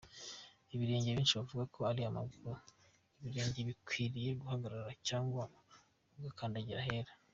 Ibirenge benshi bavuga ko ari amaguru, ibirenge bikwiriye guhagarara cyangwa ugakandagira ahera.